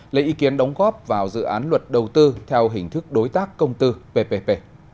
lấy ý kiến đóng góp vào dự án luật đầu tư theo hình thức đối tác công tư ppp